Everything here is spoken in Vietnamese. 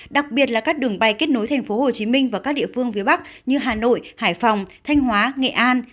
đặc biệt là các đường bay kết nối tp hcm và các địa phương phía bắc như hà nội hải phòng thanh hóa nghệ an